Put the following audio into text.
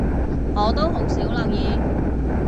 我都好少留意